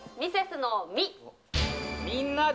みんなで！